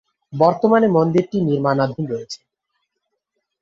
বর্তমানে মন্দিরটি নির্মাণাধীন রয়েছে।